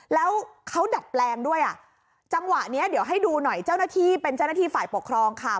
แล้วเขาดัดแปลงด้วยอ่ะจังหวะเนี้ยเดี๋ยวให้ดูหน่อยเจ้าหน้าที่เป็นเจ้าหน้าที่ฝ่ายปกครองค่ะ